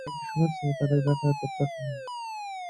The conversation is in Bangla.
এটা একটি সুযোগ ছিল তাদের ব্যপারে তথ্য সংগ্রহের।